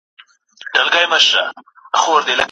آيا پرمختيا له ودي پرته ممکنه ده؟